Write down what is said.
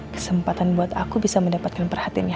kesempatan buat aku bisa mendapatkan perhatian